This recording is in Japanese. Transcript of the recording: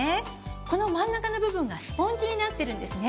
この真ん中の部分がスポンジになってるんですね。